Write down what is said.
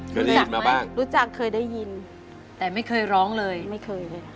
เคยได้ยินมาบ้างรู้จักเคยได้ยินแต่ไม่เคยร้องเลยไม่เคยเลย